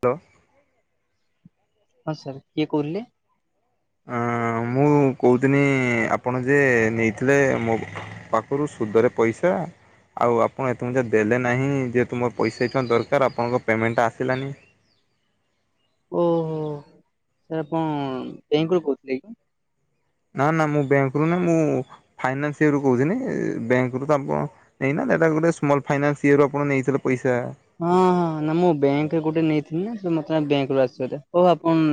Hello. ହଁ sir, କିଏ କହୁଥିଲେ? ହଁ ମୁଁ କହୁଥିନି ଆପଣ ଯେ ନେଇଥିଲେ ମୋ ପାଖରୁ ସୁଧରେ ପଇସା ଆଉ ଆପଣ ଏତେପୁଞ୍ଜା ଦେଲେନାହିଁ। ଯେହେତୁ ମର ପଇସା ଏଇଁଛୁଣା ଦରକାର ଆପଣଙ୍କ ପେମେଣ୍ଟା ଆସିଲାନି। ଓହୋ, ସାର୍ ଆପଣ ବ୍ୟାଙ୍କରୁ କହୁଥିଲେ କି? ନା ନା ମୁଁ ବ୍ୟାଙ୍କରୁୁ ନାହିଁ ମୁଁ ଫାଇନାନ୍ସ ଇଏରୁୁ କହୁଥିନି। ବ୍ୟାଙ୍କରୁ ତ ଆପଣ ନେଇନା। ଏଟା ଗୋଟେ ସ୍ମଲ୍ ଫାଇନାନ୍ସ ଇଏରୁ ଆପଣ ନେଇଥିଲେ ପଇସା ହଁ ହଁ ନା ମୁଁ ବ୍ୟାଙ୍କରେ ଗୋଟେ ନେଇଥିଲି ନା ମତେ ବ୍ୟାଙ୍କରୁ ଆସିଛିବୋଧେ। ଓହୋ ଆପଣ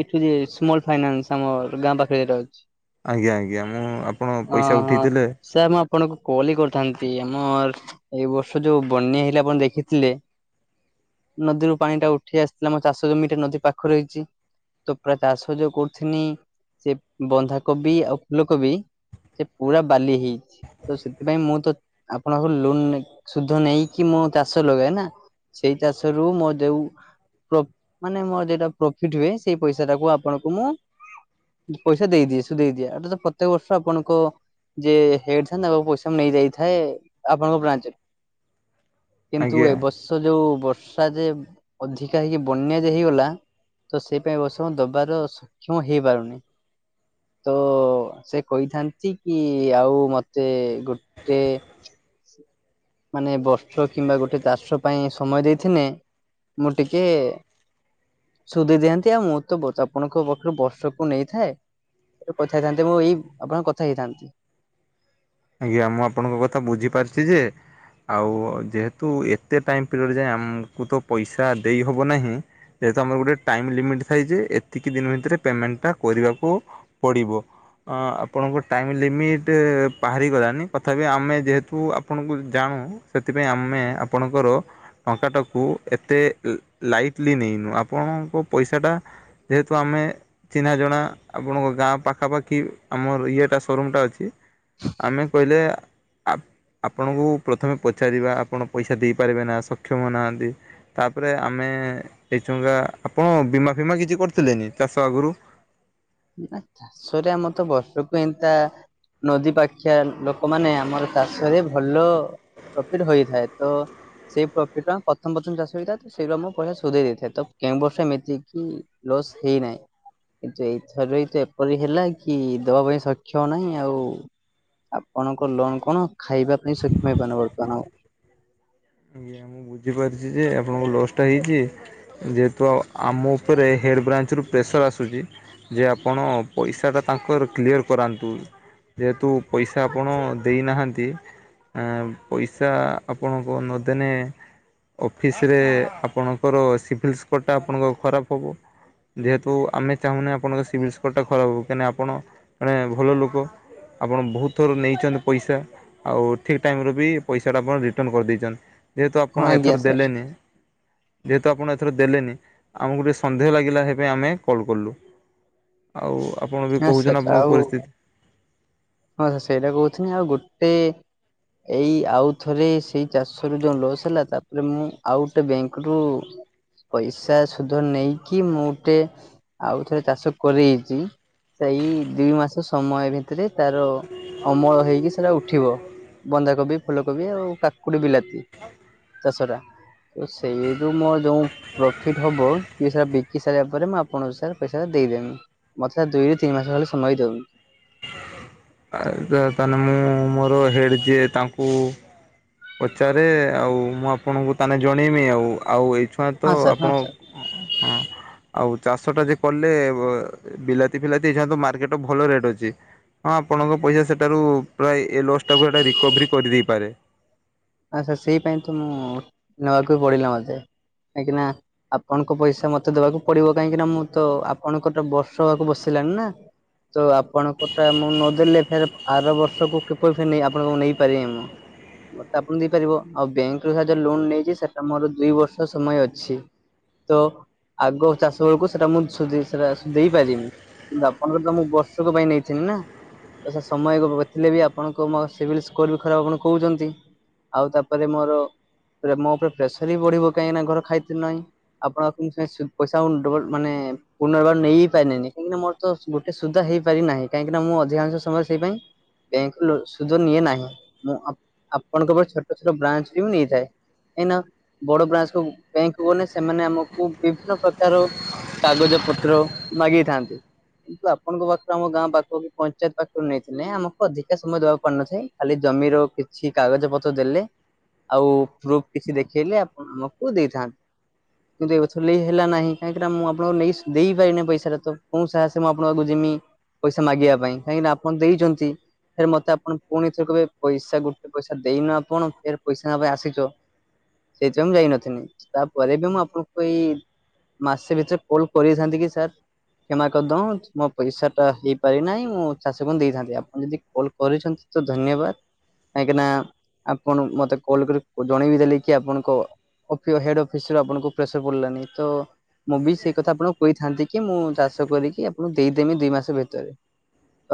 ଏଇଠୁ ଯେ ସ୍ମଲ ଫାଇନାନ୍ସ ଆମ ଗାଁ ପାଖରେ ରହିଛି। ଆଜ୍ଞା ଆଜ୍ଞା। ମୁଁ ଆପଣ ପଇସା ହଁ। ଉଠେଇଥିଲେ। ସାର୍ ମୁଁ ଆପଣଙ୍କୁ କଲ ହି କରିଥାନ୍ତି। ଆମର ଏଇ ବର୍ଷ ଯୋଉ ବନ୍ୟା ହେଇଲା ଆପଣ ଦେଖିଥିଲେ? ନଦୀରୁ ପାଣି ଟା ଉଠେଇ ଆସିଥିଲା ଆମ ଚାଷ ଜମିଟା ନଦୀ ପାଖରେ ହେଇଛି ତ ପୁରା ଚାଷ ଯଉ କରୁଥିନି ସେ ବନ୍ଧାକୋବି ଆଉ ଫୁଲକୋବି ସେ ପୁରା ବାଲି ହେଇଛି। ତ ସେଥିପାଇଁ ମୁଁ ତ ଆପଣଙ୍କୁ ଲୋନ ନେ ସୁଧ ନେଇକି ମୁଁ ଚାଷ ଲଗାଏ ନା। ସେଇ ଚାଷରୁ ମୋ ଯଉ ପ୍ର ମାନେ ମୋର ଯଉଟା ପ୍ରଫିଟ ହୁଏ ସେଇ ପଇସାଟାକୁ ଆପଣଙ୍କୁ ମୁଁ ପଇସା ଦେଇଦିଏ ସୁ ଦେଇଦିଏ। ଏଇଟା ତ ପ୍ରତ୍ୟେକ ବର୍ଷ ଆପଣଙ୍କ ଯେ ହେଡ ଥାଏ ତାଙ୍କ ପାଖକୁ ପଇସା ନେଇ ଯାଇଥାଏ, ଆପଣଙ୍କ ବ୍ରାଞ୍ଚରେ କିନ୍ତୁ ଆଜ୍ଞା। ଏବ ବର୍ଷ ଯୋଉ ବର୍ଷା ଯେ ଅଧିକା ହେଇକି ବନ୍ୟା ଯେ ହେଇଗଲା ତ ସେଇ ପାଇଁ ଏବର୍ଷ ମୁଁ ଦବାର ସକ୍ଷମ ହେଇପାରୁନି। ତ ସେ କହିଥାନ୍ତି କି ଆଉ ମତେ ଗୋଟେ ମାନେ ବର୍ଷ କିମ୍ବା ଗୋଟେ ଚାଷ ପାଇଁ ସମୟ ଦେଇଥିନେ ମୁଁ ଟିକେ ସୁଜି ଦିଅନ୍ତି। ଆଉ ମୁଁ ତ ଆପଣଙ୍କ ପାଖରୁ ବର୍ଷକୁ ନେଇଥାଏ। କଥା ହେଇଥାନ୍ତେ ମୁଁ ଏଇ ଆପଣଙ୍କ କଥା ହେଇଥାନ୍ତି। ଆଜ୍ଞା ମୁଁ ଆପଣଙ୍କ କଥା ବୁଝିପାରିଛି ଯେ ଆଉ ଯେହେତୁ ଏତେ ଟାଇମ୍ ପିରିୟଡ଼ ଯାଏ ଆମକୁ ତ ପଇସା ଦେଇହେବ ନାହିଁ ଯେହେତୁ ଆମର ଗୋଟେ ଟାଇମ୍ ଲିମିଟି ଥାଏ ଯେ ଏତିକି ଦିନ୍ ଭିତେରେ ପେମେଣ୍ଟ ଟା କରିବାକୁ ପଡ଼ିବ, ଅଁ ଆପଣଙ୍କ ଟାଇମ୍ ଲିମିଟ୍ ବାହାରିଗଲାନି ତଥାପି ଆମେ ଯେହେତୁ ଆପଣଙ୍କୁ ଜାଣୁ, ସେଥିପାଇଁ ଆମେ ଆପଣଙ୍କର ଟଙ୍କାଟାକୁ ଏତେ ଲାଇଟଲି ନେଇନୁ, ଆପଣଙ୍କୁ ପଇସାଟା ଯେହେତୁ ଆମେ ଚିହ୍ନା ଜଣା ଆପଣଙ୍କ ଗାଁ ପାଖାପାଖି ଆମର ଇଏଟା ସୋରୁମ୍ ଟା ଅଛି ଆମେ କହିଲେ ଆ ଆପଣଙ୍କୁ ପ୍ରଥମେ ପଚାରିବା ଆପଣ ପଇସା ଦେଇପାରିବେ ନା ସକ୍ଷମ ନାହାଁନ୍ତି ତାପରେ ଆମେ ଏଇଛଙ୍କା ଆପଣ ବୀମା ଫିମା କିଛି କରିଥିଲେନି ଚାଷ ଆଗରୁ? ନା ଚାଷରେ ଆମର ତ ବର୍ଷକୁ ଏନ୍ତା ନଦୀ ପାଖିଆ ଲୋକମାନେ ଆମର ଚାଷରେ ଭଲ ପ୍ରଫିଟ୍ ହୋଇଥାଏ, ତ ସେଇ ପ୍ରଫିଟ୍ ର ଆମ ପ୍ରଥମ-ପ୍ରଥମ ଚାଷ ହେଇଥାଏ, ତ [unintelligible] ଆମ ପଇସା ସୁଜେଇ ଦେଇଥାଏ ତ କେଉଁ ବର୍ଷ ଏମିତି କି ଲସ୍ ହେଇନାହିଁ। କିନ୍ତୁ ଏଇଥର ତ ଏପରି ହେଲା କି ଦେବା ପାଇଁ ସକ୍ଷମ ନାହିଁ ଆଉ ଆପଣଙ୍କ ଲୋନ୍ କଣ ଖାଇବା ପାଇଁ ସକ୍ଷମ ହେଇପାରନି ବର୍ତ୍ତମାନ ଆଉ। ଆଜ୍ଞା ମୁଁ ବୁଝିପାରୁିଚି ଯେ ଆପଣଙ୍କ ଲସ୍ ଟା ହେଇଚି, ଯେହେତୁ ଆଉ ଆମ ଉପରେ ହେଡ଼୍ ବ୍ରାଞ୍ଚରୁ ପ୍ରେସର୍ ଆସୁଚି ଯେ ଆପଣ ପଇସାଟା ତାଙ୍କର କ୍ଲିୟର୍ କରାନ୍ତୁ। ଯେହେତୁ ପଇସା ଆପଣ ଦେଇନାହାନ୍ତି। ଏଁ ପଇସା ଆପଣଙ୍କର ନଦେନେ ଅଫିସରେ ଆପଣଙ୍କର ସିଭିଲ୍ ସ୍କୋର୍ ଆପଣଙ୍କ ଖରାପ୍ ହବ। ଯେହେତୁ ଆମେ ଚାହୁଁନେ ଆପଣଙ୍କ ସିଭିଲ୍ ସ୍କୋରଟା ଖରାପ୍ ହବ କାହିଁକିନା ଆପଣ ମନେ ଭଲ ଲୋକ ଆପଣ ବହୁତ୍ ଥର ନେଇଚନ୍ତି ପଇସା ଆଉ ଠିକ୍ ଟାଇମ୍ ରେ ବି ପଇସାଟା ଆପଣ ରିଟର୍ଣ୍ଣ କରିଦେଇଚନ୍ତି। ଯେହେତୁ ହଁ ଆପଣ ଆଜ୍ଞା ଏଥର ସାର୍ ଦେଲେନି ଯେହେତୁ ଆପଣ ଏଥର ଦେଲେନି ଆମୁକୁ ଟିକେ ସନ୍ଦେହ ଲାଗିଲା, ସେପାଇଁ ଆମେ କଲ୍ କଲୁ। ଆଉ ଆପଣ ବି ହଁ କହୁଚନ୍ତି ସାର୍ ଆପଣଙ୍କ ଆଉ ପରିସ୍ଥିତି ହଁ ସେଇଟା କହୁଥିନି, ଆଉ ଗୋଟେ ଏଇ ଆଉ ଥରେ ସେଇ ଚାଷ ରୁ ଯୋଉଁ ଲସ୍ ହେଲା ତାପରେ ମୁଁ ଆଉ ଗୋଟେ ବ୍ୟାଙ୍କ ରୁ ପଇସା ସୁଧ ନେଇକି ମୁଁ ଗୋଟେ ଆଉ ଥରେ ଚାଷ [unintelligible] ସେଇ ଦି ମାସ ସମୟ ଭିତେରେ ତାର ଅମଳ ହେଇକି ସେଟା ଉଠିବ। ବନ୍ଧାକୋବି, ଫୁଲକୋବି ଆଉ କାକୁଡି ବିଲାତି ଚାଷ ଟା। ତ ସେଇ ଯୋଉ ମୋ ଯୋଉଁ ପ୍ରଫିଟ୍ ହବ କି ସେଟା ବିକି ସାରିଲା ପରେ ମୁଁ ଆପଣଙ୍କୁ ସାରେ ପଇସା ଟା ଦେଇଦେମି। ମତେ ସାରେ ଦୁଇରୁ ତିନି ମାସ ହେଲେ ସମୟ ଦିଅନ୍ତୁ। ଆ ତାହେନେ ମୁଁ ମୋର ହେଡ଼ ଯିଏ ତାଙ୍କୁ ପଚାରେ ଆଉ ମୁଁ ଆପଣଙ୍କୁ ତାହେନେ ଜଣେଇମି ଆଉ, ଆଉ ଏଇଛୁଆଁ ହଁ ତ ସାର୍ ହଁ ଆପଣ ସାର୍ [unintelligible] ହଁ। ଆଉ ଚାଷ ଟା ଯେ କଲେ ବିଲାତି ଫିଲାତି [unintelligible] ମାର୍କେଟ୍ ଭଲ ରେଟ୍ ଅଛି। ହଁ ଆପଣଙ୍କ ପଇସା ସେଠାରୁ ପ୍ରାୟ ଏ ଲସ୍ଟାକୁ ସେଇଟା ରିକଭରି କରିଦେଇପାରେ। ଆଚ୍ଛା, ସେଇ ପାଇଁ ତ ମୁଁ ନବାକୁ ବି ପଡିଲା ମତେ କାହିଁକି ନା ଆପଣଙ୍କ ପଇସା ମତେ ଦବାକୁ ପଡିବ କାହିଁକି ନା ମୁଁ ତ ଆପଣଙ୍କର ତ ବର୍ଷ ହେବାକୁ ବସିଲାଣି ନା। ତ ଆପଣଙ୍କ ଟା ମୁଁ ନଦେଲେ ଫେର୍ ଆର ବର୍ଷକୁ କିପରି ଫେରେ ଆପଣଙ୍କୁ ନେଇ ପାରିବି ମୁଁ। ଆପଣଙ୍କୁ ଦେଇପାରିବ। ଆଉ ବ୍ୟାଙ୍କ ରୁ ସାହାଯ୍ୟ ଲୋନ ନେଇଛି, ସେଟା ମୋର ଦୁଇ ବର୍ଷ ସମୟ ଅଛି। ତ ଆଗ ଚାଷ ବେଳକୁ ସେଟା, ମୁଁ ସେଟା ଦେଇ ପାରିମି। କିନ୍ତୁ ଆପଣଙ୍କର ତ ମୁଁ ବର୍ଷକ ପାଇଁ ନେଇଥିଲି ନା। ତ ସ ସମୟ ଥିଲେ ବି ଆପଣଙ୍କ ମୋ ସିଭିଲ୍ ସ୍କୋର ବି ଖରାପ, ଆପଣ କହୁଛନ୍ତି। ଆଉ ତାପରେ ମୋର ମୋ ଉପରେ ପ୍ରେସର ବି ବଢ଼ିବ, କାହିଁକି ନା ଘର ଖାଇତେ ନାହିଁ। ଆପଣ ପଇସା ଡ଼ବଲ ମାନେ ପୁନର୍ବାର ନେଇ ପାରନେନି, କାହିଁକିନା ମୋର ତ ଗୋଟେ ସୁଦ୍ଧା ହେଇପାରି ନାହିଁ, କାହିଁକି ନା ମୁଁ ଅଧିକାଂଶ ସମୟରେ ସେଇ ପାଇଁ ବ୍ୟାଙ୍କ ଲୋ ସୁଧ ନିଏ ନାହିଁ। ମୁଁ ଆପ କଣଙ୍କ ଛୋଟ ଛୋଟ ବ୍ରାଞ୍ଚ ବି ମୁଁ ନେଇଥାଏ। ଏଇନା ବଡ ବ୍ରାଞ୍ଚ କ ବ୍ୟାଙ୍କକୁ ଗଲେ, ସେମାନେ ଆମକୁ ବିଭିନ୍ନ ପ୍ରକାର କାଗଜ ପତ୍ର ମାଗିଥାନ୍ତି। କିନ୍ତୁ ଆପଣଙ୍କ ପାଖରୁ ଆମ ଗାଁ ପାଖକୁ, ପଞ୍ଚାୟତ ପାଖରୁ ନେଇଥିଲେ ଆମକୁ ଅଧିକା ସମୟ ଦବାକୁ ପାଡ଼ି ନଥାଏ। ଖାଲି ଜମିର କିଛି କାଗଜ ପତ୍ର ଦେଲେ, ଆଉ ପ୍ରୁଫ୍ କିଛି ଦେଖେଇଲେ, ଆପଣ ଆମକୁ ଦେଇଥାନ୍ତି। କିନ୍ତୁ ଏଥର ହେଲା ନାହିଁ, କାହିଁକି ନା ମୁଁ ଆପଣଙ୍କୁ ନେଇ ଦେଇ ପାରିନି ପଇସାଟା, ତ କୋଉ ସାହସେ ମୁଁ ଆପଣଙ୍କ ପାଖକୁ ଯିମି? ପଇସା ମାଗିବା ପାଇଁ, କାହିଁକିନା ଆପଣ ଦେଇଛନ୍ତି, ଫେରେ ମତେ ଆପଣ ପୁଣି ଥରେ କିହିବେ, ପଇସା ଗୋଟେ ସେ ପଇସା ଦେଇନ, ଆପଣ ଫେରେ ପଇସା ନବା ପାଇଁ ଆସିଛ। ସେଇଥିପାଇଁ ମୁଁ ଯାଇନଥିଲି। ତାପରେ ବି ମୁଁ ଆପଣଙ୍କ ପାଇଁ ମାସେ ଭିତରେ କଲ କରିଥାନ୍ତି, କି ସାର୍? କ୍ଷମା କରିଦନ୍ତ, ମୋ ପଇସା ଟା ହେଇପାରି ନାହିଁ। ମୁଁ ଚାଷକୁ ଦେଇଥାନ୍ତି। ଆପଣ ଯଦି କଲ୍ କରିଛନ୍ତି ତ ଧନ୍ୟବାଦ। କାହିଁକିନା ଆପଣ ମତେ କଲ୍ କରି ଜଣେଇବି ଦେଲେ କି, ଆପଣଙ୍କ ଅଫିୟ ହେଡ୍ ଅଫିସ ରୁ ଆପଣଙ୍କୁ ପ୍ରେସର ପଡ଼ିଲାନି, ତ ମୁଁ ବି ସେଇ କଥା ଆପଣଙ୍କୁ କହିଥାନ୍ତି କି, ମୁଁ ଚାଷ କରିକି ଆପଣଙ୍କୁ ଦେଇଦେମି ଦୁଇ ମାସ ଭିତରେ।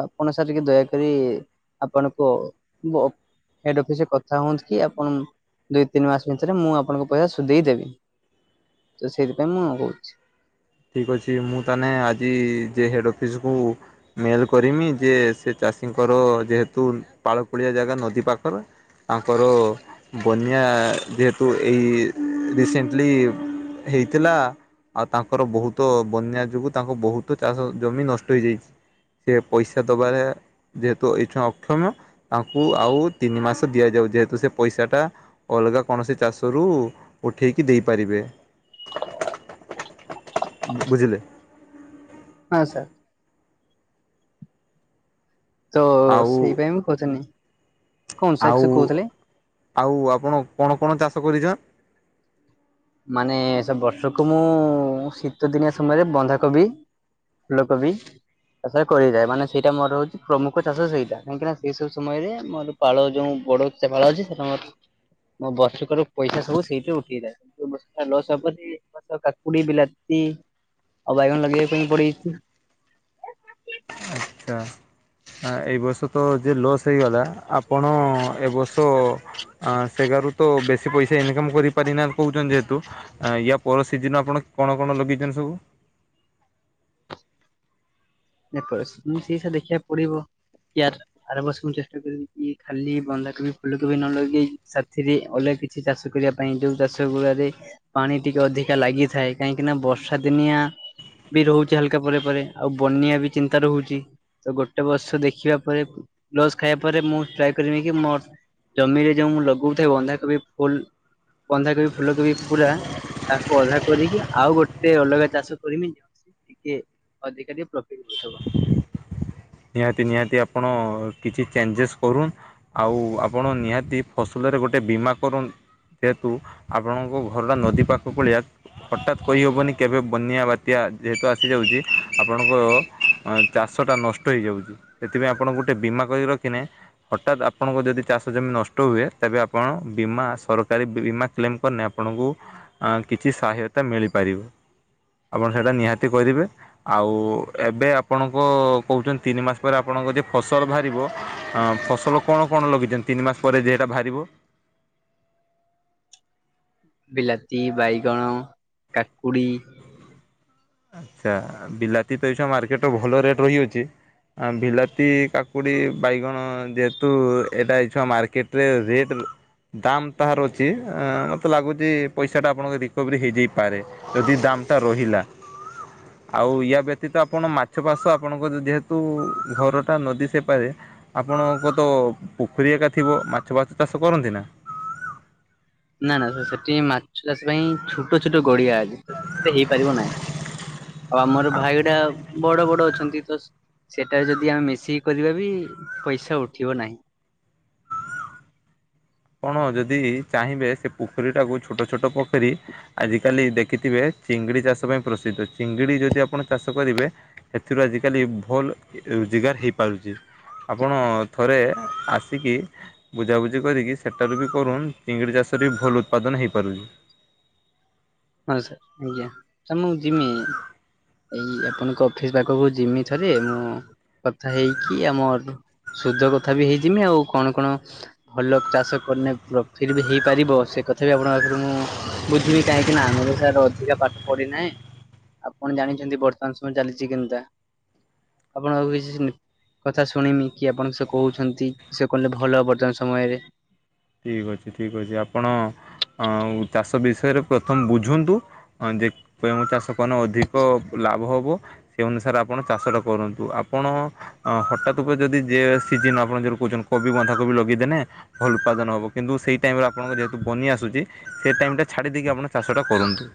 ଆପଣ ସାର୍, ଟିକେ ଦୟାକରି ଆପଣଙ୍କ ବ ହେଡ୍‌ ଅଫିସରେ କଥା ହୁଅନ୍ତି କି ଆପଣ, ଦୁଇ ତିନି ମାସ ଭିତରେ ମୁଁ ଆପଣଙ୍କ ପଇସା ସୁଧେଇ ଦେବି। ତ ସେଇଥିପାଇଁ ମୁଁ କହୁଛି। ଠିକ୍ ଅଛି, ମୁଁ ତାହେନେ ଆଜି ଯେ ହେଡ୍‌ ଅଫିସକୁୁ ମେଲ୍ କରିମି, ଯେ ସେ ଚାଷୀଙ୍କର ଯେହେତୁ ପାଳକୋଳିଆ ଜାଗା ନଦୀ ପାଖର ତାଙ୍କର ବନ୍ୟା ଯେହେତୁ ଏଇ ରିସେଣ୍ଟଲି ହେଇଥିଲା, ଆଉ ତାଙ୍କୁ ତାଙ୍କର ବହୁତ ବନ୍ୟା ଯୋଗୁଁ ତାଙ୍କ ବହୁତ ଚାଷ ଜମି ନଷ୍ଟ ହେଇଯାଇଛି। ସେ ପଇସା ଦବାରେ ଯେହେତୁ ଏଇଠଁ ଅକ୍ଷମ, ତାଙ୍କୁ ଆଉ ତିନି ମାସ ଦିଆଯାଉ, ଯେହେତୁ ସେ ପଇସାଟା ଅଲଗା କୌଣସି ଚାଷରୁ ଉଠେଇକି ଦେଇପାରିବେ। ବୁଝିଲେ? ହଁ ସାର୍। ତ ଆଉ ସେଇପାଇଁ ମୁଁ ପଚାରିନି, କଣ ସାର୍ ସେ ଆଉ କହୁଥିଲେ? ଆଉ ଆପଣ କଣ କଣ ଚାଷ କରିଛନ? ମାନେ ସେ ବର୍ଷକୁ ମୁଁ ଶୀତ ଦିନିଆ ସମୟରେ ବନ୍ଧା କୋବି ଫୁଲକୋବି ଚାଷ କରିଥାଏ। ମାନେ, ସେଇଟା ମୋର ହଉଛି ପ୍ରମୁଖ ଚାଷ। ସେଇଟା କାହିଁକିନା ସେଇ ସବୁ ସମୟରେ ମୋର ପାଳ ଯୋଉ ବଡ଼ ସେ ପାଳ ଅଛି, ସେମୟରେ ମୋ ବର୍ଷକର ପଇସା ସବୁ ସେଇଠୁ ଉଠେଇଥାଏ। ଏ ବର୍ଷ ଲସ୍‌ ହବାରୁ ଏ ବର୍ଷ କାକୁଡି, ବିଲାତି ଆଉ ବାଇଗଣ ଲଗେଇବା ପାଇଁ ପଡିଛି। ଏ ବର୍ଷ ତ ଯେ ଲସ୍ ହେଇଗଲା, ଆପଣ ଏ ବର୍ଷ ସେଗାରୁ ତ ବେଶୀ ପଇସା ଇନକମ୍ କରିପାରିନାନ୍ତି କହୁଛନ୍ତି ଯେହେତୁ। ୟା ପର ସିଜିନ୍ ଆପଣ କଣ କଣ ଲଗେଇଛନ୍ତି ସବୁ? ସେଇଟା ଦେଖିବାକୁ ପଡିବ ୟାର୍। ଆର ବର୍ଷ ମୁଁ ଚାଷ କରିକି ଖାଲି ବନ୍ଧାକୋବି ଫୁଲକୋବି ବି ନ ଲଗେଇ ସାଥିରେ ଅଲଗା କିଛି ଚାଷ କରିବା ପାଇଁ ଯୋଉ ଚାଷ ଗୁରାରେ ପାଣି ଟିକେ ଅଧିକା ଲାଗିଥାଏ କାହିଁକି ନା ବର୍ଷା ଦିନିଆ ବି ରହୁଛି ହାଲକା ପରେ ପରେ। ବନ୍ୟା ବି ଚିନ୍ତା ରହୁଛି ତ ଗୋଟେ ବର୍ଷ ଦେଖିବା ପରେ। ଲସ୍ ଖାଇବା ପରେ ମୁଁ ଟ୍ରାଏ କରିବି କି ମୋ ଜମିରେ ଯୋଉ ମୁ ଲଗଉଥାଏ ବନ୍ଧାକୋବି ଫୁଲ ବନ୍ଧାକୋବି ଫୁଲକୋବି ପୁରା। ତାକୁ ଅଧା କରିକି ଆଉ ଗୋଟେ ଅଲଗା ଚାଷ କରମି ଯ ଟିକେ ଅଧିକାରୀ। [inaudible] ନିହାତି ନିହାତି ଆପଣ କିଛି ଚେଞ୍ଜେସ୍ କରୁ ଆଉ ଆପଣ ନିହାତି ଫସଲରେ ଗୋଟେ ବୀମା କରନ୍ତୁ। ଯେହେତୁ ଆପଣଙ୍କ ଘର ଟା ନଦୀ ପାଖ ଭଳିଆ ହଠାତ୍ କହିହେବନି କେବେ ବନ୍ୟା ବା ବାତ୍ୟା ଯେହେତୁ ଆସିଯାଉଛି ଆପଣଙ୍କ ଚାଷଟା ନଷ୍ଟ ନଷ୍ଟ ହେଇଯାଉଛି ସେଥିପାଇଁ ଆପଣ ଗୋଟେ ବୀମା କରି ରଖିନେ ହଠାତ୍ ଆପଣଙ୍କ ଯଦି ଚାଷ ଜମି ନଷ୍ଟ ହୁଏ ତେବେ ଆପଣ ବୀମା ସରକାରୀ ବୀମା କ୍ଲେମ୍ କରିନେ ଆପଣଙ୍କୁ କିଛି ସହାୟତା ମିଳିପାରିବ। ଆପଣ ସେଇଟା ନିହାତି କରିବେ ଆଉ ଏବେ ଆପଣଙ୍କ କହୁଛନ୍ତି ତିନି ମାସ ପରେ ଆପଣଙ୍କ ଯଦି ଫସଲ ବାହାରିବ ଫସଲ କଣ କଣ ଲଗେଇଛନ୍ତି? ତିନି ମାସ ପରେ ଯେହେଟା ବାହାରିବ। ବିଲାତି ବାଇଗଣ କାକୁଡି। ଆଛା ବିଲାତି ତ ଏଇ ସମୟରେ ମାର୍କେଟ୍ ରେ ର ଭଲ ରେଟ୍ ରହିଅଛି। ବିଲାତି କାକୁଡ଼ି ବାଇଗଣ ଯେହେତୁ ଏଇଟା ଛୁଆ ମାର୍କେଟରେ ରେଟ୍ ତାମ୍ ତାହାର ଅଛି ମୋତେ ଲାଗୁଛି ପଇସାଟା ଆପଣଙ୍କ ରିକଭରି ହେଇଯାଇପାରେ। ଯଦି ଦାମ୍ ଟା ରହିଲା। ଆଉ ୟା ବ୍ୟତୀତ ଆପଣ ମାଛ ପାସ ଆପଣଙ୍କ ଯେହେତୁ ଘରଟା ନଦୀ ସେପାରେ ଆପଣଙ୍କ ତ ପୋଖରୀ ଏକା ଥିବ ମାଛ ବାଛ ଚାଷ କରନ୍ତି ନା? ନା ନା ସେଠି ମାଛ ଚାଷ ପାଇଁ ଛୋଟ ଛୋଟ ଗଡିଆ ଅଛି। ସେତ ହେଇପାରିବ ନାହିଁ ଆଉ ଆମର ଭାଇଡ଼ା ବଡ ବଡ ଅଛନ୍ତି ତ ସେଟା ଯଦି ଆମେ ମିଶିକି କରିବା ବି ପଇସା ଉଠିବ ନାହିଁ। ଆପଣ ଯଦି ଚାହିଁବେ ସେ ପୋଖରୀ ଟାକୁ ଛୋଟ ଛୋଟ ପୋଖରୀ ଆଜ କାଲି ଦେଖିଥିବେ ଚିଙ୍ଗଡି ଚାଷ ପାଇଁ ପ୍ରସିଦ୍ଧ ଚିଙ୍ଗିଡି ଯଦି ଆପଣ ଚାଷ କରିବେ ଏଥିରୁ ଆଜିିକାଲି ଭଲ ରୋଜଗାର ହେଇପାରୁଛି। ଆପଣ ଥରେ ଆସିକି ବୁଝାବୁଝି କରିକି ସେଠାରୁ ବି କରୁନ୍ ଚିଙ୍ଗିଡ଼ି ଚାଷରେ ବି ଭଲ ଉତ୍ପାଦନ ହୋଇପାରୁଛି। ହଁ ସାର୍ ଆଜ୍ଞା ସାର୍ ମୁଁ ଯିମି। ଏଇ ଆପଣଙ୍କ ଅଫିସ୍ ପାଖକୁ ଯିମି ଥରେ ମୁଁ କଥା ହେଇକି ଆମ ସୁଧ କଥା ବି ହେଇଯିମି ଆଉ କଣ କଣ ଭଲ ଚାଷ କନେ ଫିର ବି ହେଇପାରିବ ସେ କଥା ବି ଆପଣଙ୍କ ପାଖରୁ ମୁଁ ବୁଝିବି କାହିଁକି ଆମେ ତ ସାର୍ ଅଧିକା ପାଠ ପଢିନାହିଁ। ଆପଣ ଜାଣିଛନ୍ତି ବର୍ତ୍ତମାନ ସମୟ ଚାଲିଛି କେନ୍ତା ଆପଣ କିଛି କଥା ଶୁଣମି କି ଆପଣ ସେ କହୁଛନ୍ତି ସେ କହିଲେ ଭଲ ବର୍ତମାନ ସମୟରେ। ଠିକ୍ ଅଛି ଠିକ୍ ଅଛି ଆପଣ ଆଉ ଚାଷ ବିଷୟରେ ପ୍ରଥମେ ବୁଝନ୍ତୁ ହଁ ଯେ କେଉଁ ଚାଷ କନ ଅଧିକ ଲାଭ ହେବ ସେ ଅନୁସାରେ ଆପଣ ଚାଷଟା କରନ୍ତୁ ଆପଣ? ହଠାତ୍ ଉପରେ ଯଦି ଯ ସିନ ଆପଣ ଯୋ କହୁଛନ୍ତି କୋବି ବନ୍ଧାକୋବି ଲଗେଇଦେଲେ ଭଲ ଉତ୍ପାଦନ ହବ କିନ୍ତୁ ସେଇ ଟାଇମରେ ଆପଣଙ୍କ ଯେହେତୁ ବନିଆ ଆସୁଛି ସେ ଟାଇମଟା ଛାଡ଼ିଦେଇକି ଆପଣ ଚାଷ ଟା କରନ୍ତୁ।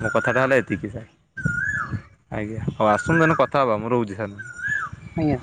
ମୋ କଥାଟା ହେଲେ ଏତିିକି ଯାଏ ଆଜ୍ଞା ହଉ ଆସନ୍ତୁ ଏଇନା କଥା ହବା ମୁଁ ରହୁଛି ସାର୍। ଆଜ୍ଞା।